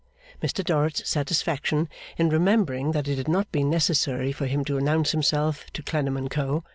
Mr Dorrit's satisfaction in remembering that it had not been necessary for him to announce himself to Clennam and Co.